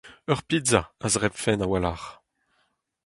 Ur pizza a zebrfen a-walc'h.